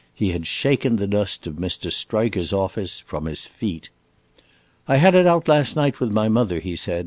He had shaken the dust of Mr. Striker's office from his feet. "I had it out last night with my mother," he said.